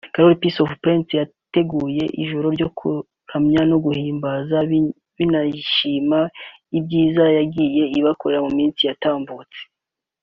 Korali Prince of Peace yateguye ijoro ryo kuramya no guhimbaza banayishimira ibyiza yagiye ibakorera mu minsi yatambutse